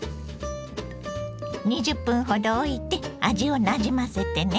２０分ほどおいて味をなじませてね。